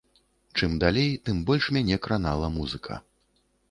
Чым далей, тым больш мяне кранала музыка.